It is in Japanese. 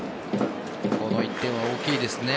この１点は大きいですね。